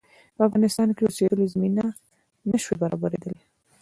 په افغانستان کې د اوسېدلو زمینه نه سوای برابرېدلای.